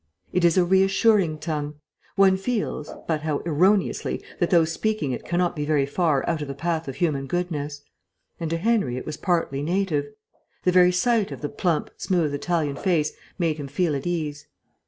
It is a reassuring tongue; one feels, but how erroneously, that those speaking it cannot be very far out of the path of human goodness. And to Henry it was partly native. The very sight of the plump, smooth, Italian face made him feel at ease.